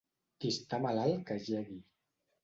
Qui està malalt que jegui.